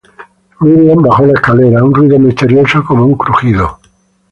Mirian bajo la escalera, un ruido misterioso, como un crujido